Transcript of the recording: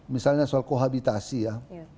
misalnya soal kohabitasi ya